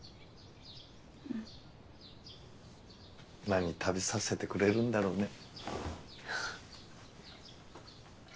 何食べさせてくれるんだろうね。